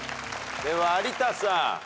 では有田さん。